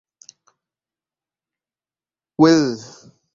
Wilh.